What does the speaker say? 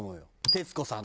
徹子さん